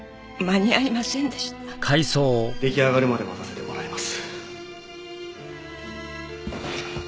出来上がるまで待たせてもらいます。